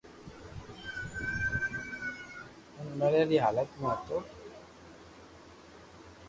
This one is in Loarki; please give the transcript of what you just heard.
ھين مريا ري حالت ۾ ھتو